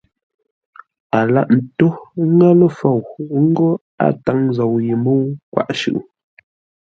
A lâghʼ ńtó ńŋə́ lə́ fou ńgó a táŋ zou yé mə́u kwaʼ shʉʼʉ,